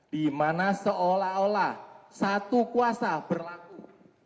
dimana seolah olah satu kuasa berlaku